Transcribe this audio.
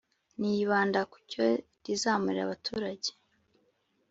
nibanda ku cyo rizamarira abaturage